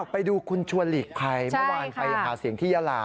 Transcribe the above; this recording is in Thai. ไปดูคุณชวนหลีกภัยเมื่อวานไปหาเสียงที่ยาลา